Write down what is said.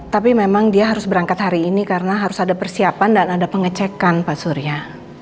tapi memang dia harus berangkat hari ini karena harus ada persiapan dan ada pengecekan pak surya